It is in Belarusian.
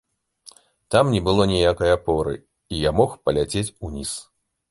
Там не было ніякай апоры, і я мог паляцець уніз.